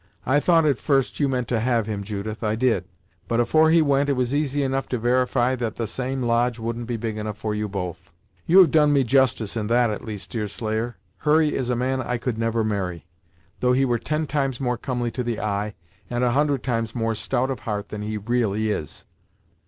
I thought, at first, you meant to have him, Judith, I did; but afore he went, it was easy enough to verify that the same lodge wouldn't be big enough for you both." "You have done me justice in that at least, Deerslayer. Hurry is a man I could never marry, though he were ten times more comely to the eye, and a hundred times more stout of heart than he really is."